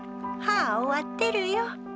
はあ終わってるよ。